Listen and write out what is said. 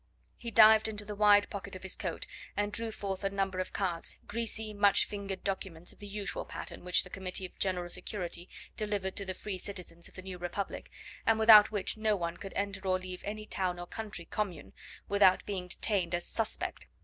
He dived into the wide pocket of his coat and drew forth a number of cards, greasy, much fingered documents of the usual pattern which the Committee of General Security delivered to the free citizens of the new republic, and without which no one could enter or leave any town or country commune without being detained as "suspect."